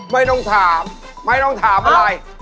ไม่ต้องถามไม่ต้องถามอะไร